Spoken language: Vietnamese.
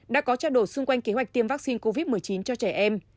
đã có trao đổi xung quanh kế hoạch tiêm vắc xin covid một mươi chín cho trẻ em